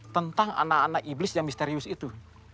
tentang anak anak iblis yang misterius itu